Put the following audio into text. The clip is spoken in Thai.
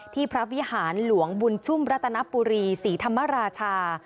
พระวิหารหลวงบุญชุ่มรัตนปุรีศรีธรรมราชา